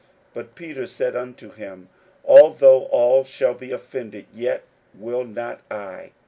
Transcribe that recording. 41:014:029 But Peter said unto him, Although all shall be offended, yet will not I.